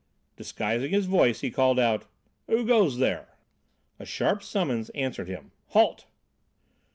Disguising his voice he called out: "Who goes there?" A sharp summons answered him, "Halt!"